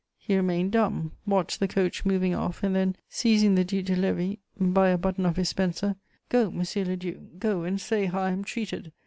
He remained dumb, watched the coach moving off, and then, seizing the Duc de Lévis by a button of his spencer: "Go, monsieur le duc, go and say how I am treated!